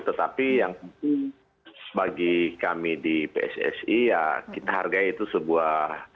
tetapi yang tentu bagi kami di pssi ya kita hargai itu sebuah